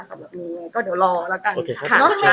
สำหรับเมก็เดี๋ยวรอแล้วกันค่ะ